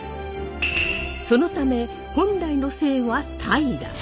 そのため本来の姓は平。